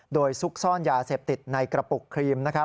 โดยซุกซ่อนยาเสพติดในกระปุกครีม